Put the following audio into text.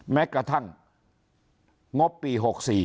แม้กระทั่งงบปี๖๔